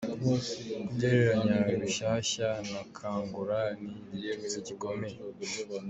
Kugereranya Rushyashya na Kangura ni igitutsi gikomeye.